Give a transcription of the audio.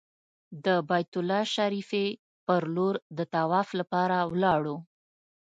د بیت الله شریفې پر لور د طواف لپاره ولاړو.